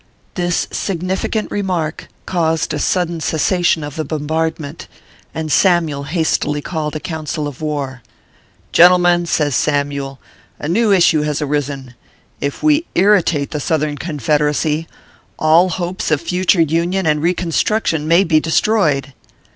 This significant remark caused a sudden cessation of the bombardment, and Samyule hastily called a council of war. " Gentlemen/ says Samyule, " a new issue has arisen. If we irritate the Southern Confederacy, all hopes of future Union and reconstruction may be destroyed."